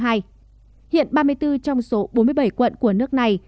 hiện ba mươi bốn trong số bốn mươi bảy quận của nước này